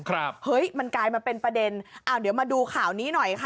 เฮ้ยมันกลายมาเป็นประเด็นอ้าวเดี๋ยวมาดูข่าวนี้หน่อยค่ะ